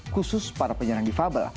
khusus para penyandang difabel